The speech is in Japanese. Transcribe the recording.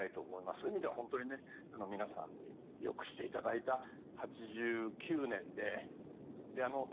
そういう意味では本当に皆さんによくしていただいた８９年で。